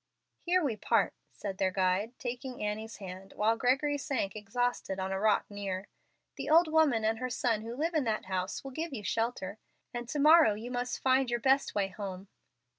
"Here we part," said their guide, taking Annie's hand, while Gregory sank exhausted on a rock near. "The old woman and her son who live in that house will give you shelter, and to morrow you must find your best way home.